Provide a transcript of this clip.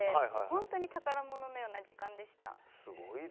本当に宝物のような時間でした。